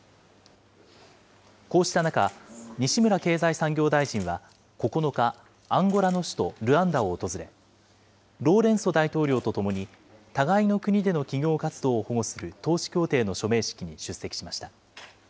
こうした中、西村経済産業大臣は９日、アンゴラの首都ルアンダを訪れ、ロウレンソ大統領と共に互いの国での企業活動を保護する投資協定の署名式に出席しました。